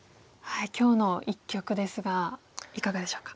今日の一局ですがいかがでしょうか？